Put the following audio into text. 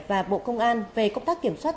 và bộ công an về công tác kiểm soát